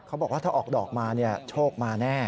เขาบอกว่าถ้าออกดอกมาโชคมาแน่